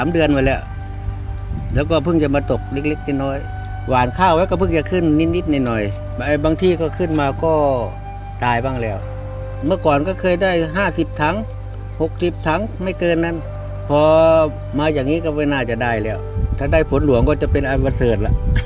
ได้น้ำได้มีกิ๊กน้อย